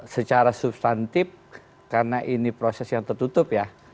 secara substantif karena ini proses yang tertutup ya